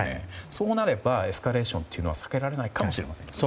そうなれば、エスカレーションは避けられないかもしれませんよね。